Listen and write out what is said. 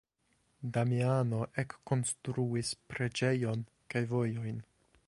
Damiano ekkonstruis preĝejon kaj vojojn.